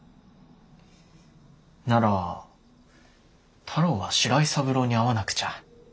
なら太郎は白井三郎に会わなくちゃ。